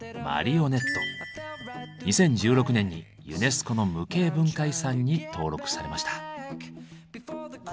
２０１６年にユネスコの無形文化遺産に登録されました。